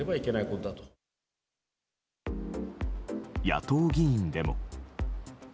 野党議員でも。